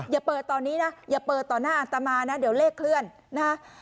อย่าเปิดตอนนี้นะอย่าเปิดต่อหน้าอัตมานะเดี๋ยวเลขเคลื่อนนะฮะ